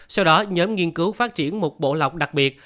sau đó nhóm nghiên cứu phát triển một bộ lọc đặc biệt